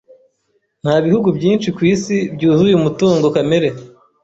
Nta bihugu byinshi ku isi byuzuye umutungo kamere.